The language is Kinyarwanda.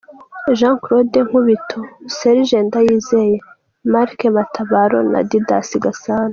-Jean-Claude Nkubito, -Serge Ndayizeye, -Marc Matabaro na -Didas Gasana